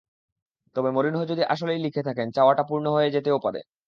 তবে মরিনহো যদি আসলেই লিখে থাকেন, চাওয়াটা পূর্ণ হয়ে যেতেও পারে।